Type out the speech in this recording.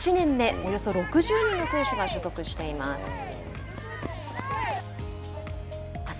およそ６０人の選手が所属しています。